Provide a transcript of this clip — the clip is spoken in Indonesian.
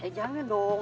eh jangan dong